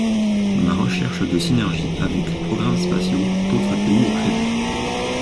La recherche de synergie avec les programmes spatiaux d'autres pays est prévu.